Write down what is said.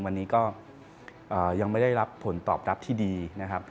วันนี้ก็ยังไม่ได้รับผลตอบรับที่ดีนะครับ